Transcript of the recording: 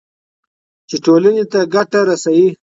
چې ټولنې ته ګټه رسوي.